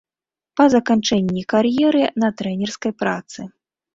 Па заканчэнні кар'еры на трэнерскай працы.